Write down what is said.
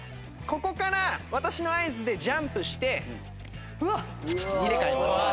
ここから私の合図でジャンプして入れ替えます。